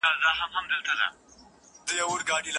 مثبت فکر د ستونزو په حل کي مرسته کوي.